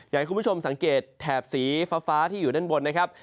อยากให้คุณผู้ชมสังเกตแถบสีฟ้าที่อยู่ด้านบนนะครับ